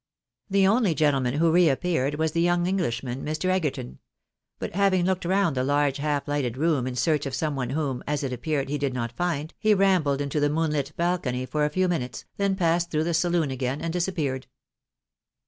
The only gentleman who reappeared was the young EngHshman, Mr. Egerton ; but having looked round the large half lighted room in search of some one whom, as it appeared, he did not find, he rambled into the moonlit balcony for a few minutes, then passed through the saloon again, and disappeared.